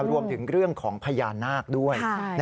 รวมถึงเรื่องของพญานาคด้วย